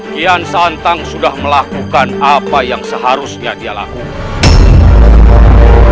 kian santang sudah melakukan apa yang seharusnya dia lakukan